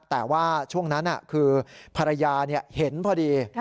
แต่ว่าช่วงนั้นคือภรรยาเห็นพอดี